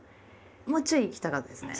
もうちょい行きたかったですね。